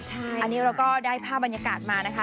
อันนี้เราก็ได้ภาพบรรยากาศมานะคะ